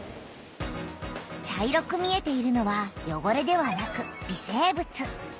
茶色く見えているのはよごれではなく微生物。